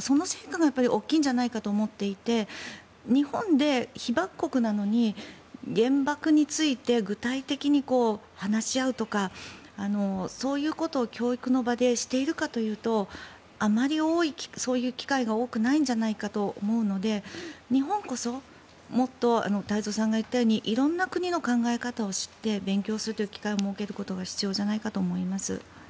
その成果が大きいんじゃないかなと思っていて日本で、被爆国なのに原爆について具体的に話し合うとかそういうことを教育の場でしているかというとあまりそういう機会が多くないんじゃないかと思うので日本こそもっと太蔵さんが言ったように色々な国の考え方を知って勉強するという機会を設けることが必要だと思います。